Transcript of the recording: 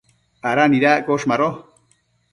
¿ada nidaccosh? Mado